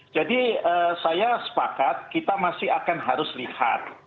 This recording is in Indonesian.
jadi saya sepakat kita masih akan harus lihat